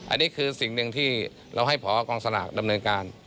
อันนี้คือสิ่งหนึ่งที่เราให้พอกองสลากดำเนินการ